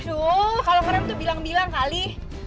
aduh kalau kerem tuh bilang bilang kali